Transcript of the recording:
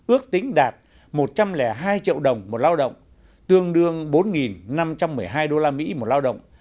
ước tính đạt một trăm linh hai triệu đồng một lao động tương đương bốn năm trăm một mươi hai usd một lao động